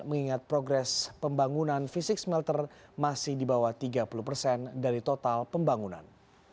mengingat progres pembangunan fisik smelter masih di bawah tiga puluh persen dari total pembangunan